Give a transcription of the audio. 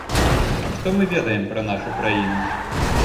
Што мы ведаем пра нашу краіну?